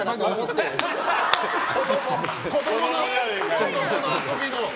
子供の遊びの。